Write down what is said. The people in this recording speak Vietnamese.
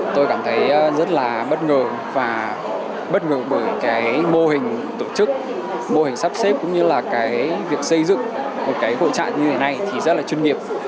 tôi cảm thấy rất là bất ngờ và bất ngờ bởi cái mô hình tổ chức mô hình sắp xếp cũng như là cái việc xây dựng một cái hội trại như thế này thì rất là chuyên nghiệp